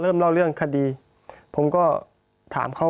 พี่เรื่องมันยังไงอะไรยังไง